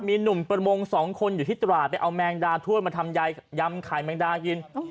มีหนุ่มประมง๒คนอยู่ที่ตราดไปเอาแมงดาถ้วยมาทำยายยำไข่แมงดากิน